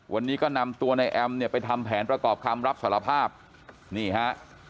วันนี้ก็นำตัวในแอมเนี่ยไปทำแผนประกอบคำรับสารภาพนี่ฮะ